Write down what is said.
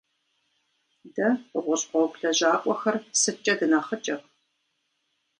Дэ, гъущӏ гъуэгу лэжьакӏуэхэр, сыткӏэ дынэхъыкӏэ?